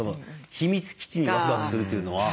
秘密基地にワクワクするというのは。